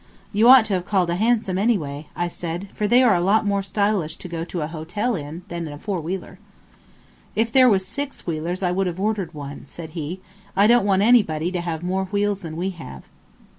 "You ought to have called a hansom any way," I said, "for they are a lot more stylish to go to a hotel in than in a four wheeler." "If there was six wheelers I would have ordered one," said he. "I don't want anybody to have more wheels than we have."